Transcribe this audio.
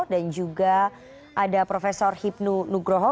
dan juga ada prof ipnu nugroho